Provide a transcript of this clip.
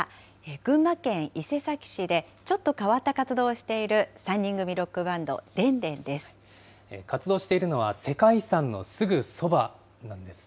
群馬県伊勢崎市で、ちょっと変わった活動をしている３人組ロックバンド、活動しているのは世界遺産のすぐそばなんです。